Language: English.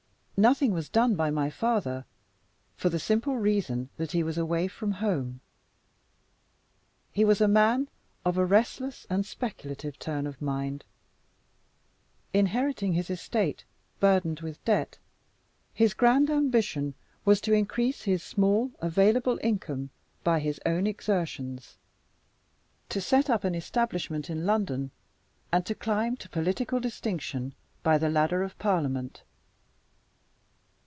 Nothing was done by my father, for the simple reason that he was away from home. He was a man of a restless and speculative turn of mind. Inheriting his estate burdened with debt, his grand ambition was to increase his small available income by his own exertions; to set up an establishment in London; and to climb to political distinction by the ladder of Parliament.